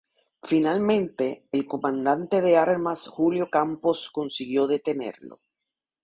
Finalmente, el Comandante de Armas Julio Campos consiguió detenerlo.